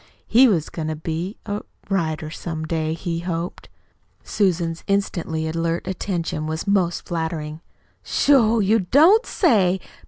He was goin' to be a writer some day, he hoped." Susan's instantly alert attention was most flattering. "Sho! You don't say!